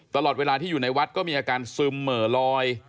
ตลอดเวลาที่อยู่ในวัดก็มีอาการซึมเหม่อลอย